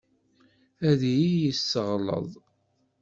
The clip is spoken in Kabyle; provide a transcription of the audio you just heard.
Ad iyi-yesseɣleḍ.